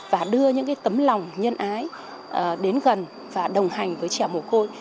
và đưa những tấm lòng nhân ái đến gần và đồng hành với trẻ mồ côi